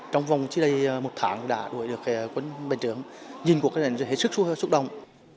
trong vòng chứa đây một tháng đã đuổi được quân bệnh trưởng nhìn cuộc chiến này rất sức súc động